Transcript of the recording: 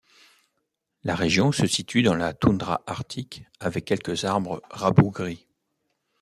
La région se situe dans la toundra arctique avec quelques arbres rabougris.